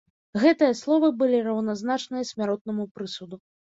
Гэтыя словы былі раўназначныя смяротнаму прысуду.